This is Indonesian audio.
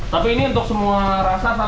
tapi ini untuk semua rasa sama